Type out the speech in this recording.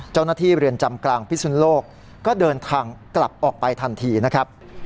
เจ้าหน้าที่เรือนจำกลางพิศนโลกก็เดินทางกลับออกไปทันทีนะครับ